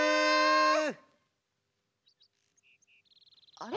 あれ？